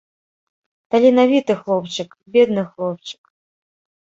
Таленавіты хлопчык, бедны хлопчык.